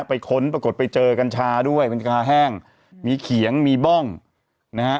ค้นปรากฏไปเจอกัญชาด้วยเป็นกาแห้งมีเขียงมีบ้องนะฮะ